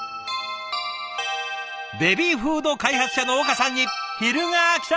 ベビーフード開発者の岡さんに昼がきた！